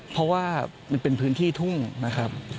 เพราะว่ามันเป็นพื้นที่ทุ่งนะครับ